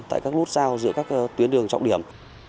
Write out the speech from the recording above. tại các nút giao giữa các tuyến đường trọng điểm